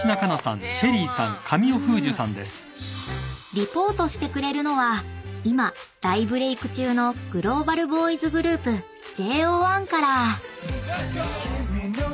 ［リポートしてくれるのは今大ブレーク中のグローバルボーイズグループＪＯ１から］